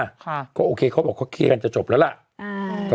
ค่ะก็โอเคเขาบอกเขาเคลียร์กันจะจบแล้วล่ะอืม